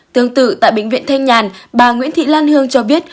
tương tự tại bệnh viện thanh nhàn bà nguyễn thị lan hương cho biết